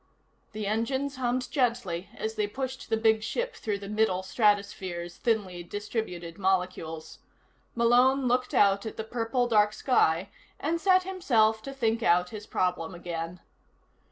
The engines hummed gently as they pushed the big ship through the middle stratosphere's thinly distributed molecules. Malone looked out at the purple dark sky and set himself to think out his problem again.